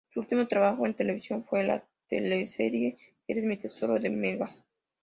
Su último trabajo en televisión fue la teleserie "Eres mi tesoro" de Mega.